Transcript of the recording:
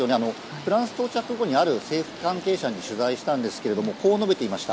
フランス到着後にある政府関係者に取材したんですがこう述べていました。